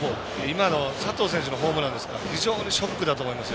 今の佐藤選手のホームランですから非常にショックだと思いますよ。